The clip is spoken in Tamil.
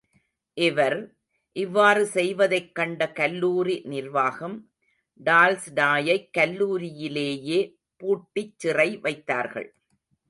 இவர், இவ்வாறு செய்வதைக் கண்ட கல்லூரி நிர்வாகம், டால்ஸ்டாயைக் கல்லூரியிலேயே பூட்டிச்சிறை வைத்தார்கள்.